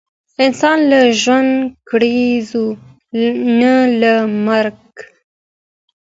انسان له ژونده کړیږي نه له مرګه.